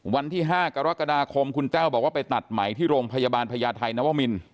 วันที่๕กรกฎาคมคุณแต้วบอกว่าไปตัดใหม่ที่โรงพยาบาลพญาไทยนวมิน